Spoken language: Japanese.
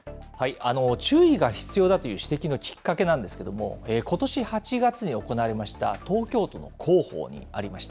注意が必要だという指摘のきっかけなんですけれども、ことし８月に行われました、東京都の広報にありました。